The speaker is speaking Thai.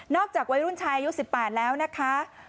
จากวัยรุ่นชายอายุ๑๘แล้วนะคะ